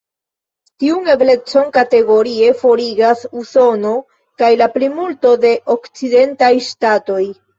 Tiun eblecon kategorie forigas Usono kaj la plimulto de okcidentaj ŝtatoj.